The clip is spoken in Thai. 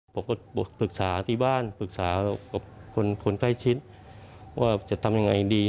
ผมก็ปรึกษาที่บ้านปรึกษากับคนใกล้ชิดว่าจะทำยังไงดี